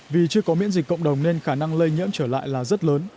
vì chưa có miễn dịch cộng đồng nên khả năng lây nhiễm trở lại là rất lớn